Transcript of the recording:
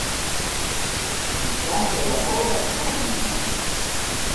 Il tronco e la coda sono bianchi.